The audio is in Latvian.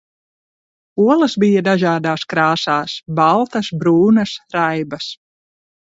Olas bija dažādās krāsās, baltas, brūnas, raibas.